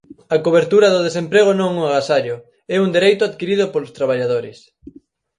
A cobertura do desemprego non é un agasallo, é un dereito adquirido polos traballadores.